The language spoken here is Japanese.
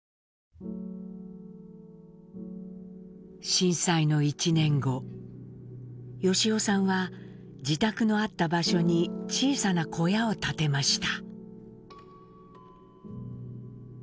震災の１年後由夫さんは自宅のあった場所に小さな小屋を建てました。